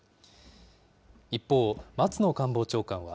一方、松野官房長官は。